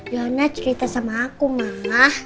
joanna cerita sama aku mah